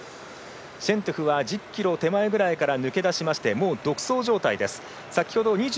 シェントゥフは１０ｋｍ手前ぐらいから抜け出しまして独走状態です。